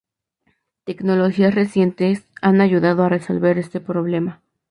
Tecnologías recientes han ayudado a resolver este problema.